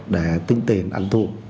để tính tiền anh thua